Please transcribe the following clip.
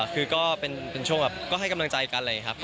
คือก็เป็นช่วงก็ให้กำลังใจกันเลยครับ